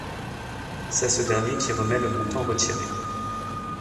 C'est ce dernier qui remet le montant retiré.